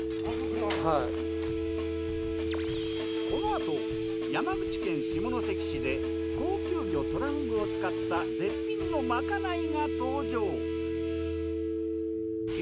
このあと山口県下関市で高級魚トラフグを使った絶品のまかないが登場。